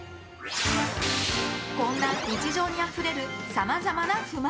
こんな日常にあふれるさまざまな不満。